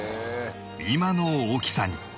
今の大きさに